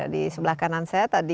di sebelah kanan saya tadi